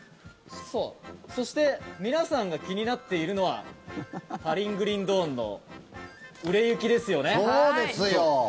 そして皆さんが気になっているのは「パリングリンドーン」の売れ行きですよね？